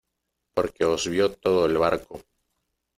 porque os vio todo el barco.